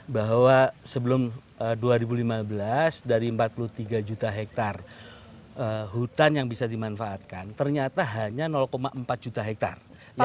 bahwa sebelum dua ribu lima belas dari empat puluh tiga juta hektare hutan yang bisa dimanfaatkan ternyata hanya empat juta hektare